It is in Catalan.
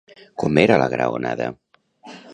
Com era la graonada?